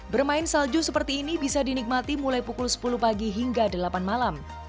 bermain salju seperti ini bisa dinikmati mulai pukul sepuluh pagi hingga delapan malam